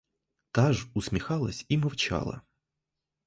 Та ж усміхалась і мовчала.